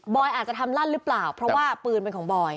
อาจจะทำลั่นหรือเปล่าเพราะว่าปืนเป็นของบอย